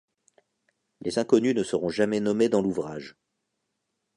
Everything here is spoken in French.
Les Inconnues ne seront jamais nommées dans l'ouvrage.